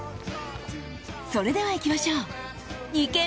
それではいきましょう。